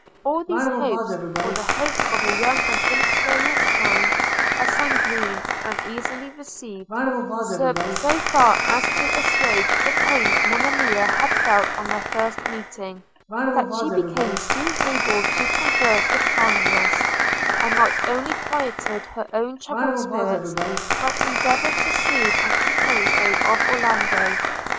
All these hopes – for the hopes of a young and inexperienced mind, are sanguine and easily received – served so far as to assuage the pain Monimia had felt on their first meeting, that she became soon able to converse with calmness; and not only quieted her own troubled spirits, but endeavoured to soothe and compose those of Orlando.